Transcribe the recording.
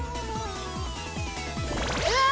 うわ！